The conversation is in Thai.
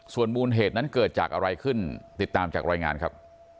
ส่วนมูลเหตุนั้นเกิดจากอะไรขึ้นติดตามจากรายงานครับ